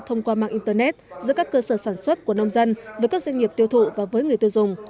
thông qua mạng internet giữa các cơ sở sản xuất của nông dân với các doanh nghiệp tiêu thụ và với người tiêu dùng